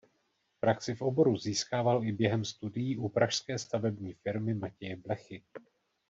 Praxi v oboru získával i během studií u pražské stavební firmy Matěje Blechy.